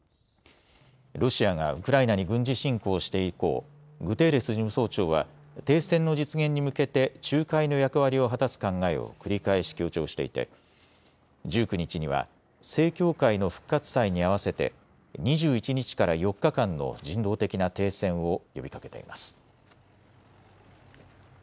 ロシアがウクライナに軍事侵攻して以降、グテーレス事務総長は停戦の実現に向けて仲介の役割を果たす考えを繰り返し強調していて１９日には正教会の復活祭に合わせて２１日から４日間の人道的な停戦を呼びかけています。